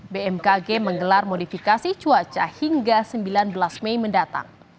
bmkg menggelar modifikasi cuaca hingga sembilan belas mei mendatang